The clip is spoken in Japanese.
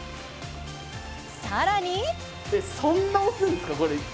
さらに！